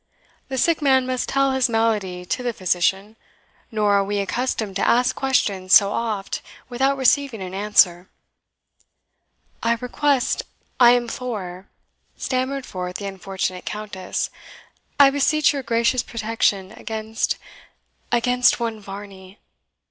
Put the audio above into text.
"The sick man must tell his malady to the physician; nor are WE accustomed to ask questions so oft without receiving an answer." "I request I implore," stammered forth the unfortunate Countess "I beseech your gracious protection against against one Varney."